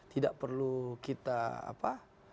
tidak perlu kita apa